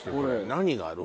何がある？